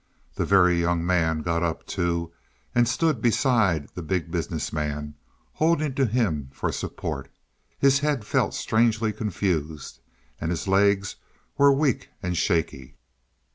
The Very Young Man got up, too, and stood beside the Big Business Man, holding to him for support. His head felt strangely confused; his legs were weak and shaky.